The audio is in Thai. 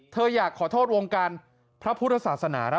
เธออยากขอโทษวงการพระพุทธศาสนา